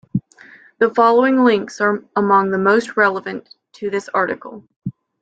The following links are among the most relevant to this article.